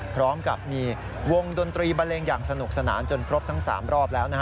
พร้อมกับมีวงดนตรีบันเลงอย่างสนุกสนานจนครบทั้ง๓รอบแล้วนะฮะ